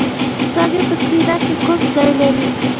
سږي په سینه کې کوم ځای لري